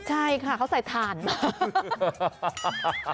ใช่ค่ะเขาใส่ถ่าน